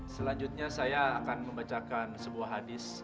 selanjutnya saya akan membacakan sebuah hadis